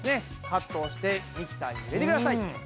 カットしてミキサーに入れてください。